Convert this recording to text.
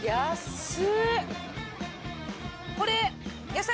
これ。